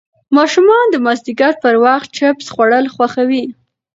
ماشومان د مازدیګر پر وخت چېپس خوړل خوښوي.